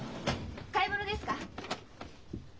買い物ですか？